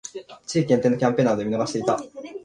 地域限定のキャンペーンなので見逃していた